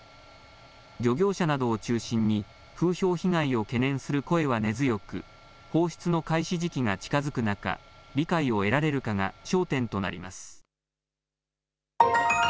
漁業者などを中心に風評被害を懸念する声は根強く放出の開始時期が近づく中、理解を得られるかが焦点となります。